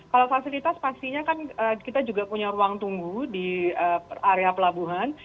kalau fasilitas pastinya kan kita juga punya ruang tunggu di area pelabuhan